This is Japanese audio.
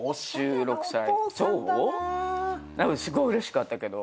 すごいうれしかったけど。